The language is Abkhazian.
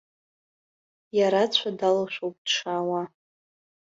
Иара ацәа далоушәоуп дшаауа.